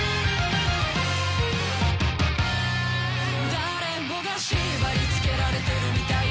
誰もが縛り付けられてるみたいだ